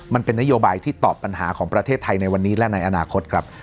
มันเป็นนโยบายที่ตอบปัญหาของประเทศไทยในวันนี้และในอนาคตครับ